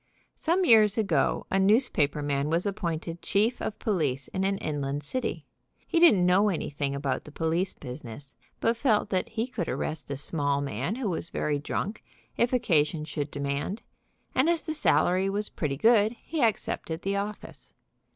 Some years ago a newspaper man was appointed chief of police of an inland city. He didn't know anything about the police business, but felt that he could arrest a small man who was very drunk, if occa sion should demand, and as the salary was pretty good, he accepted the office.